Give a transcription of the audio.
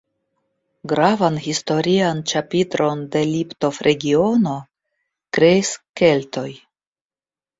Gravan historian ĉapitron de Liptov-regiono kreis Keltoj.